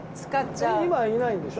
今はいないんでしょ？